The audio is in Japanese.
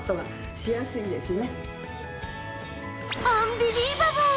アンビリーバブル！